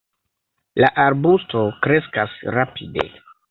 La arbusto kreskas rapide.